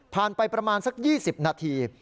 ไปประมาณสัก๒๐นาที